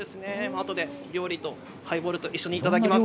あとで料理とハイボールと一緒に頂きます。